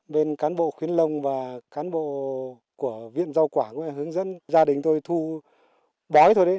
bên cán bộ khuyến lông và cán bộ của viện rau quả cũng hướng dẫn gia đình tôi thu bói thôi đấy